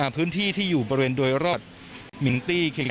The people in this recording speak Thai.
พื้นที่ที่อยู่บริเวณโดยรอบมิงตี้เค